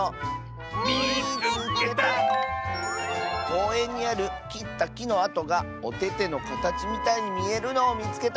「こうえんにあるきったきのあとがおててのかたちみたいにみえるのをみつけた！」。